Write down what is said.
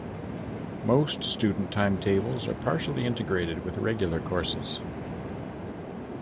Most student timetables are partially integrated with regular courses.